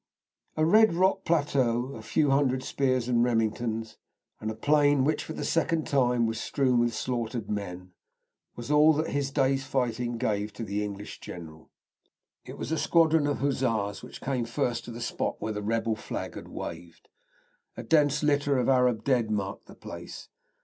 A red rock plateau, a few hundred spears and Remingtons, and a plain which for the second time was strewn with slaughtered men, was all that his day's fighting gave to the English general. It was a squadron of Hussars which came first to the spot where the rebel flag had waved. A dense litter of Arab dead marked the place.